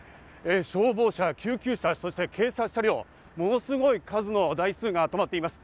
消防車、救急車、そして警察車両、ものすごい数の台数が止まっています。